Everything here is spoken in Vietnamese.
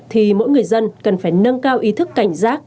thì mỗi người dân cần phải nâng cao ý thức cảnh giác